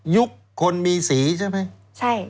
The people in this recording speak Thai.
ยุคคนมีสีใช่ไหมใช่